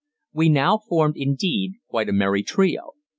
We now formed, indeed, quite a merry trio.